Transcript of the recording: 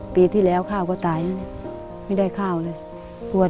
ปีที่แล้วข้าวก็ตายไม่ได้ข้าวเลย